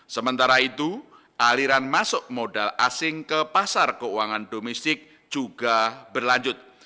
sementara itu aliran masuk modal asing ke pasar keuangan domestik juga berlanjut